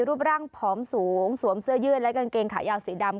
รูปร่างผอมสูงสวมเสื้อยืดและกางเกงขายาวสีดำ